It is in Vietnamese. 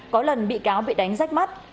có lần bị cáo bị đánh rách mắt